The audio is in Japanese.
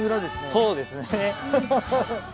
そうですね。